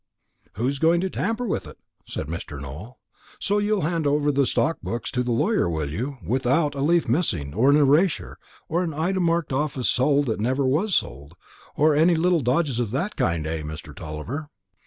"Who is going to tamper with it?" said Mr. Nowell. "So you'll hand over the stock books to the lawyer, will you, without a leaf missing, or an erasure, or an item marked off as sold that never was sold, or any little dodges of that kind, eh, Mr. Tulliver?"